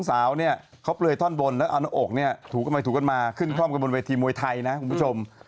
สาวเนี่ยพบเลยถ้อบนแล้วของผมเนี่ยพูดไว้พูดมาขึ้นข้ำบนวันทีมวยไทยนะคุณคุณ